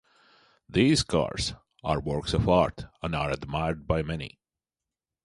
These cars are works of art and are admired by many.